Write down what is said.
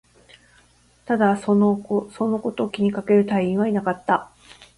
ただ、そのことを気にかける隊員はいなかった